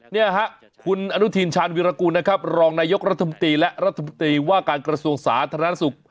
เนี่ยฮะคุณอนุทินชาญวิรากูลนะครับรองนายกรัฐมนตรีและรัฐมนตรีว่าการกระทรวงสาธารณสุข